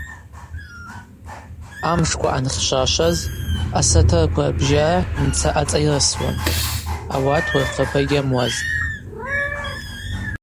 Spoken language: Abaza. Амшква анхьшвашваз асатырква рбжьара мца ацӏайрысуан, ауат уырхъыпа йгьамуазтӏ.